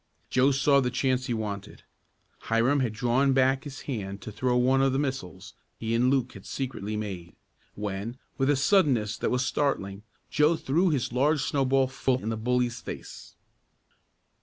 Joe saw the chance he wanted. Hiram had drawn back his hand to throw one of the missiles he and Luke had secretly made, when, with a suddenness that was startling, Joe threw his large snowball full in the bully's face.